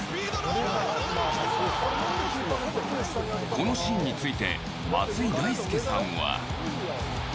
このシーンについて松井大輔さんは。